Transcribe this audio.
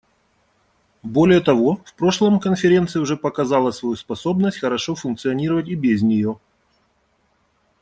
Более того, в прошлом Конференция уже показала свою способность хорошо функционировать и без нее.